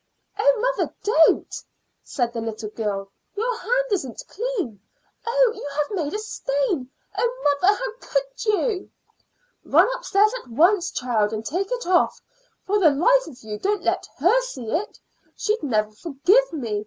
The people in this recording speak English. "Oh, mother, don't!" said the little girl. "Your hand isn't clean. Oh, you have made a stain! Oh, mother, how could you?" "Run upstairs at once, child, and take it off. For the life of you don't let her see it; she'd never forgive me.